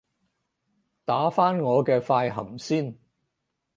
打返我嘅快含先